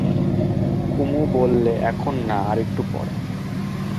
কুমু বললে, এখন না, আর একটু পরে।